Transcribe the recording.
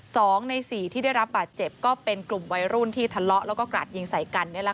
สองในสี่ที่ได้รับบาดเจ็บก็เป็นกลุ่มวัยรุ่นที่ทะเลาะแล้วก็กราดยิงใส่กัน